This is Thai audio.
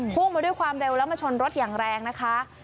พุ่งมาด้วยความเร็วแล้วมาชนรถอย่างแรงนะคะ